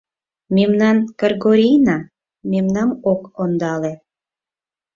Мемнан Кыргорийна мемнам ок ондале.